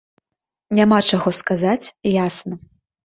Няма чаго сказаць, ясна.